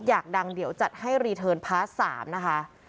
อยากดังเดี่ยวจัดให้พาสสามนะคะ